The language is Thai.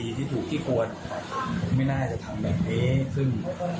ที่ดีที่ถูกที่ปวดไม่น่าจะทั้งแบบนี้ขึ้น